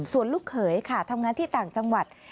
ส่วนลูกเขยค่ะทำงานที่ต่างจังหวัด